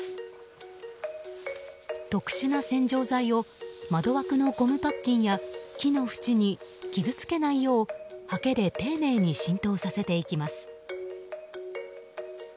特殊な洗浄剤を窓枠のゴムパッキンや木の縁に傷つけないよう、はけで丁寧に浸透させていきます。